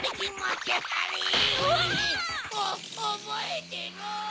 おぼえてろ！